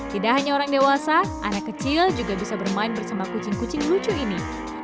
tidak hanya orang dewasa anak kecil juga bisa bermain bersama kucing kucing lucu ini